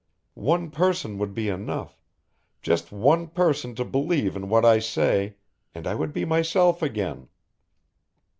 One person would be enough, just one person to believe in what I say and I would be myself again.